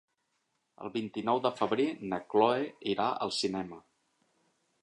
El vint-i-nou de febrer na Cloè irà al cinema.